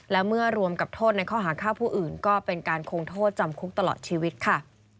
และเมื่อรวมกับโทษในข้อหาฆ่าผู้อื่นก็เป็นการคงโทษจำคุกตลอดชีวิตค่ะ